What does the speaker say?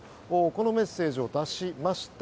このメッセージを出しました。